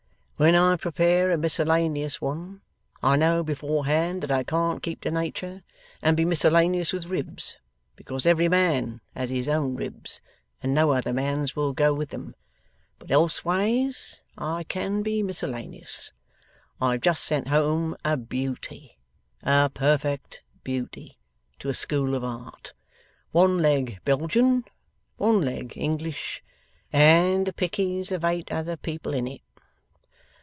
When I prepare a miscellaneous one, I know beforehand that I can't keep to nature, and be miscellaneous with ribs, because every man has his own ribs, and no other man's will go with them; but elseways I can be miscellaneous. I have just sent home a Beauty a perfect Beauty to a school of art. One leg Belgian, one leg English, and the pickings of eight other people in it.